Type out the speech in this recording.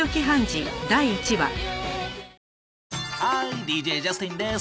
ハーイＤＪジャスティンです！